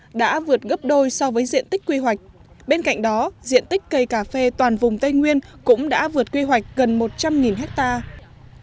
các tỉnh đắk lắc đã vượt gấp đôi so với diện tích quy hoạch bên cạnh đó diện tích cây cà phê toàn vùng tây nguyên cũng đã vượt quy hoạch gần một trăm linh hectare